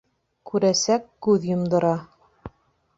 Күрәсәк күҙ йомдора.